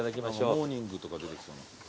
モーニングとか出てきそうな。